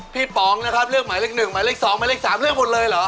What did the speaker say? ป๋องนะครับเลือกหมายเลข๑หมายเลข๒หมายเลข๓เลือกหมดเลยเหรอ